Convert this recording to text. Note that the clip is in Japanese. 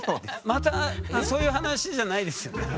またそういう話じゃないですよね？